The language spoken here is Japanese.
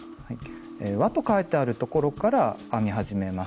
「わ」と書いてあるところから編み始めます。